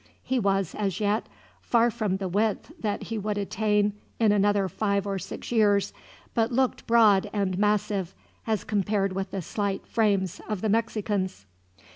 He was, as yet, far from the width that he would attain in another five or six years, but looked broad and massive as compared with the slight frames of the Mexicans.